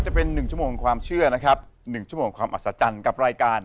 จะเป็น๑ชั่วโมงของความเชื่อนะครับ๑ชั่วโมงความอัศจรรย์กับรายการ